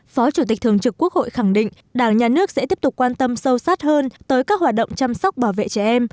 phó chủ tịch thường trực quốc hội khẳng định đảng nhà nước sẽ tiếp tục quan tâm sâu sát hơn tới các hoạt động chăm sóc bảo vệ trẻ em